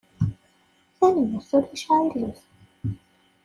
Tanemmirt. Ulac aɣilif.